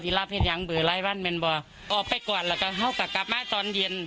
ที่รับเหตุอย่างเบอร์ไรบ้างมันบอกออกไปก่อนแล้วก็เข้ากลับกลับมาตอนเย็น